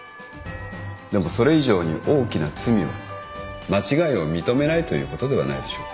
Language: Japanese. でもそれ以上に大きな罪は間違いを認めないということではないでしょうか。